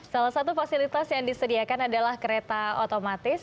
salah satu fasilitas yang disediakan adalah kereta otomatis